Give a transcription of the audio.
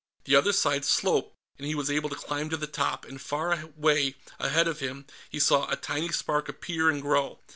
The other side sloped, and he was able to climb to the top, and far away, ahead of him, he saw a tiny spark appear and grow.